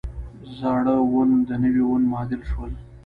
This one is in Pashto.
زاړه وون د نوي وون معادل شول.